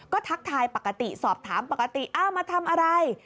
ก็ทักทายปกติสอบถามปกติอ้าวมาทำอะไร